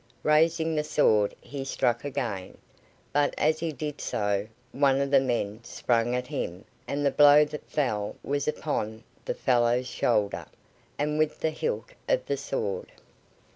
Raising the sword he struck again, but as he did so, one of the men sprang at him, and the blow that fell was upon the fellow's shoulder, and with the hilt of the sword.